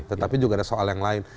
tetapi juga ada soal yang lain